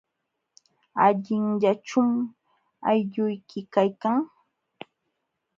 ¿Allinllachum aylluyki kaykan?